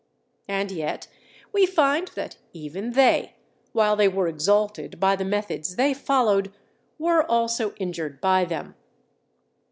And yet we find that even they, while they were exalted by the methods they followed, were also injured by them.